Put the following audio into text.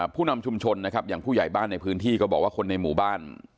ผู้นำชุมชนนะครับอย่างผู้ใหญ่บ้านในพื้นที่ก็บอกว่าคนในหมู่บ้าน